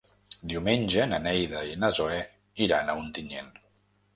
Diumenge na Neida i na Zoè iran a Ontinyent.